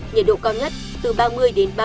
nhiệt độ cao nhất từ một mươi năm mr